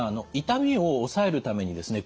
痛みを抑えるためにですね